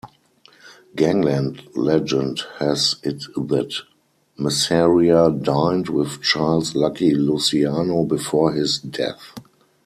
Gangland legend has it that Masseria dined with Charles "Lucky" Luciano before his death.